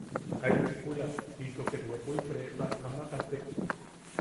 Aet chukula into ket wepul prepa ama katek.